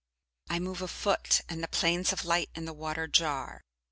I move a foot, and the planes of light in the water jar.